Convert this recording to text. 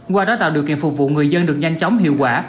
qua đó tạo điều kiện phục vụ người dân được nhanh chóng hiệu quả